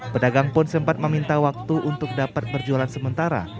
pedagang pun sempat meminta waktu untuk dapat berjualan sementara